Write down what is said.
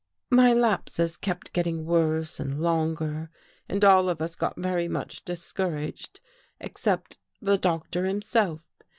" My lapses kept getting worse and longer, and all of us got very much discouraged, except the Doctor himself.